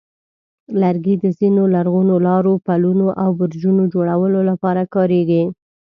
لرګي د ځینو لرغونو لارو، پلونو، او برجونو جوړولو لپاره کارېږي.